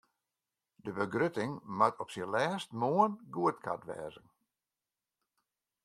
De begrutting moat op syn lêst moarn goedkard wêze.